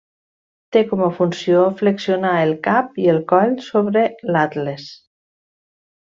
Té com a funció flexionar el cap i el coll sobre l'atles.